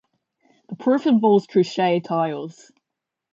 The proof involves Truchet tiles.